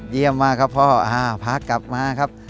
เยี่ยมมาครับพ่อพากลับมาครับ